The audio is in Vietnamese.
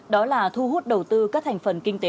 đó là thu hút đầu tư các thành phần kinh tế